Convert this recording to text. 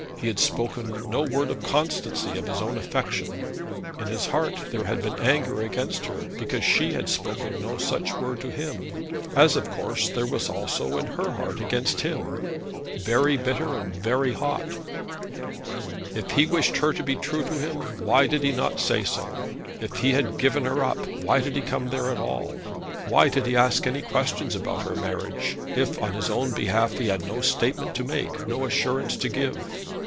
He had spoken no word of the constancy of his own affection. In his heart there had been anger against her because she had spoken no such word to him, as of course there was also in her heart against him, very bitter and very hot. If he wished her to be true to him, why did he not say so? If he had given her up, why did he come there at all? Why did he ask any questions about her marriage, if on his own behalf he had no statement to make, no assurance to give?